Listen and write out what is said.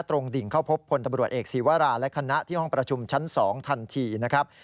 ดิ่งเข้าพบพลตำรวจเอกศีวราและคณะที่ห้องประชุมชั้น๒ทันทีนะครับ